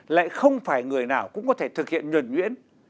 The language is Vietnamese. lại không phải người nào cũng có thể thực hiện nhuẩn nhuyễn